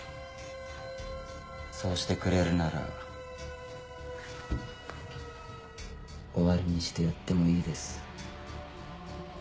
そうしてくれるなら終わりにしてやってもいいです。